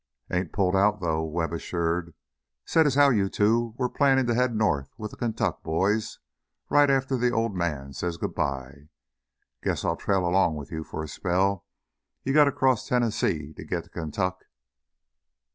"Ain't pulled out though," Webb assured. "Said as how you two were plannin' to head north with the Kaintuck boys right after the old man says good bye. Guess I'll trail 'long with you for a spell. You gotta cross Tennessee to git to Kaintuck."